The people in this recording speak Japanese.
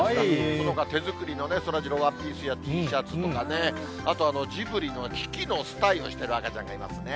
そのほか手作りのそらジローワンピースや、Ｔシャツとかね、あとジブリのキキのスタイをしている赤ちゃんがいますね。